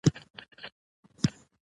ولاړې پردۍ سوې زلمۍ خبري